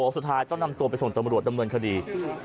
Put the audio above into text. สุดท้ายต้องนำตัวไปส่งตำรวจดำเนินคดี